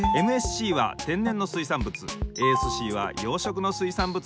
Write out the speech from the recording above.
ＭＳＣは天然の水産物ＡＳＣは養殖の水産物についてます。